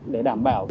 để đảm bảo